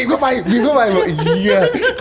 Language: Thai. เอะบีบเข้าไปไอ้เหี้ย